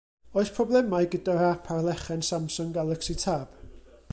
Oes problemau gyda'r ap ar lechen Samsung Galaxy Tab?